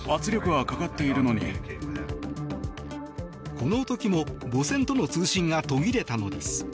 この時も母船との通信が途切れたのです。